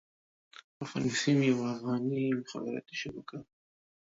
افغان بيسيم يوه افغاني مخابراتي شبکه ده.